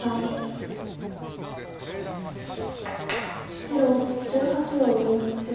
白１８の二ツギ。